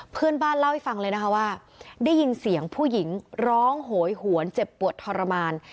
เพื่อนบ้านเล่าให้ฟังเลยนะคะว่าได้ยินเสียงผู้หญิงร้องโหยหวนเจ็บปวดทรมาน